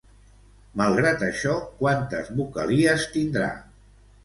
Malgrat això, quantes vocalies tindrà?